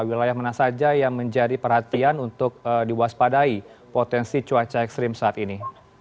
wilayah mana saja yang menjadi perhatian untuk diwaspadai potensi cuaca ekstrim saat ini